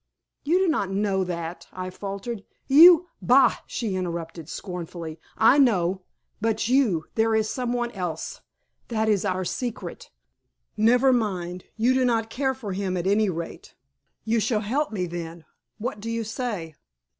"You do not know that," I faltered. "You " "Bah!" she interrupted, scornfully. "I know. But you there is some one else. That is our secret. Never mind, you do not care for him at any rate. You shall help me then. What do you say?"